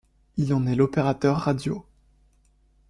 Il en est l’opérateur radio.